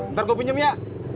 ntar gue pinjem ya